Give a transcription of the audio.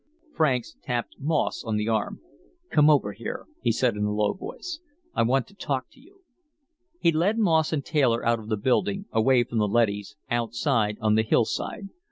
Franks tapped Moss on the arm. "Come over here," he said in a low voice. "I want to talk to you." He led Moss and Taylor out of the building, away from the leadys, outside on the hillside.